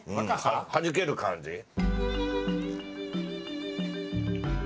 はじける感じ。